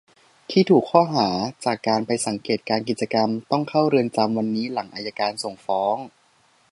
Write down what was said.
ที่ถูกข้อหาจากการไปสังเกตการณ์กิจกรรม ตัองเข้าเรือนจำวันนี้หลังอัยการส่งฟ้อง